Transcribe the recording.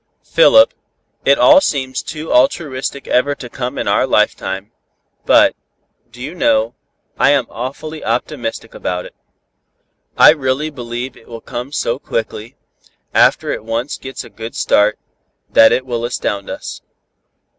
"Philip, it all seems too altruistic ever to come in our lifetime; but, do you know, I am awfully optimistic about it. I really believe it will come so quickly, after it once gets a good start, that it will astound us.